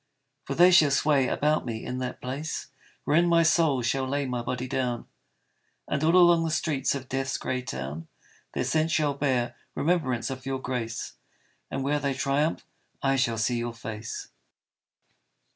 For they shall sway about me in that place Wherein my soul shall lay my body down, And all along the streets of Death's grey town Their scent shall bear remembrance of your grace, And where they triumph I shall see your face.